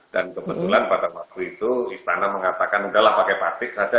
dan kebetulan pada waktu itu istana mengatakan udahlah pakai batik saja